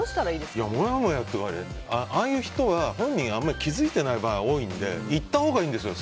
もやもやっていうかああいう人は本人あまり気づいていない場合が多いので言ったほうがいいですよ。